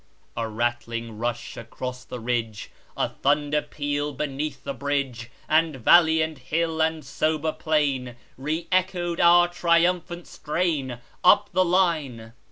A rattling rush across the ridge, A thunder peal beneath the bridge; And valley and hill and sober plain Re echoed our triumphant strain, Up the line.